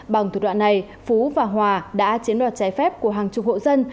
bằng thủ đoạn này phú và hòa đã chiếm đoạt trái phép của hàng chục hộ dân